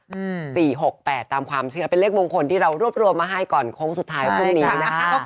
อืมสี่หกแปดตามความเชื่อเป็นเลขมงคลที่เรารวบรวมมาให้ก่อนโค้งสุดท้ายพรุ่งนี้นะคะ